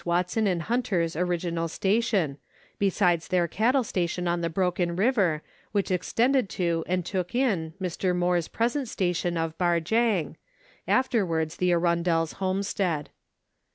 Watson and Hunter's original station, besides their cattle station on the Broken River, which extended to and took in Mr. Moore's present station of " Barjang/' afterwards the Arundells' homestead.